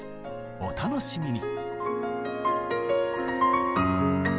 お楽しみに！